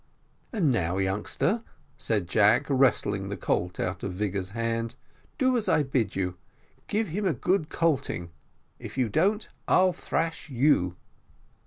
"And now, youngster," said Jack, wresting the colt out of Vigors's hand, "do as I bid you give him a good colting if you don't I'll thrash you."